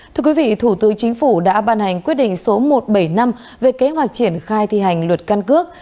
thưa quý vị thủ tướng chính phủ đã ban hành quyết định số một trăm bảy mươi năm về kế hoạch triển khai thi hành luật căn cước